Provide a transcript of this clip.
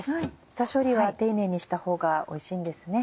下処理は丁寧にしたほうがおいしいんですね。